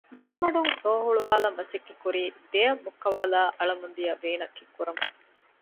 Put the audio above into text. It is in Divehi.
މަޑުމަޑު މަޑުން ލޯ ހުޅުވާލަން މަސައްކަތްކުރީ ދެއަތް މުއްކަވާލައި އަޅަމުންދިޔަ ވޭނަށް ކެތްކުރަމުން